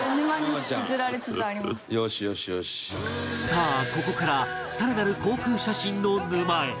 さあここから更なる航空写真の沼へ